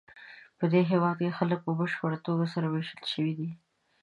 پدې هېواد کې خلک په بشپړه توګه سره وېشل شوي دي.